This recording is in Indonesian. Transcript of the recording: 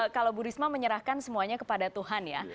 kalau bu risma menyerahkan semuanya kepada tuhan ya